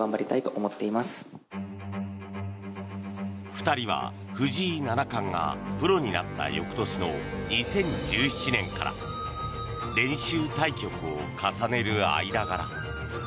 ２人は藤井七冠がプロになった翌年の２０１７年から練習対局を重ねる間柄。